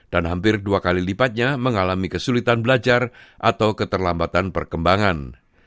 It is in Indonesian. dan hampir dua kali lipatnya mengalami kesulitan belajar atau keterlambatan perkembangan